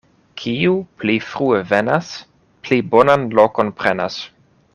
Kiu pli frue venas, pli bonan lokon prenas.